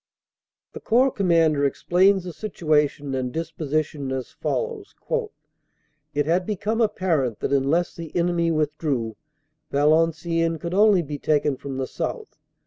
The Corps Commander explains the situation and disposi tion as follows: "It had become apparent that unless the enemy withdrew, Valenciennes could only be taken from the south.